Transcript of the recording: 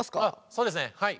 そうですねはい。